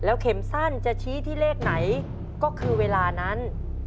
เข็มสั้นจะชี้ที่เลขไหนก็คือเวลานั้น